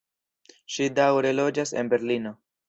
Ŝi daŭre loĝas en Berlino.